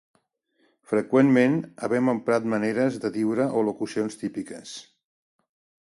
Freqüentment havem emprat maneres de diure o locucions típiques